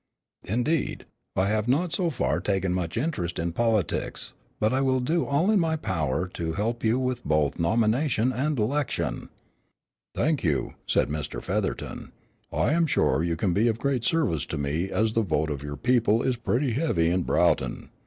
"Indeed. I have not so far taken much interest in politics, but I will do all in my power to help you with both nomination and election." "Thank you," said Mr. Featherton, "I am sure you can be of great service to me as the vote of your people is pretty heavy in Broughton.